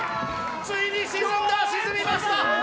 ついに沈んだ、沈みました！